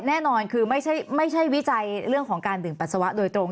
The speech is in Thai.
แน่นอนคือไม่ใช่วิจัยเรื่องของการดื่มปัสสาวะโดยตรง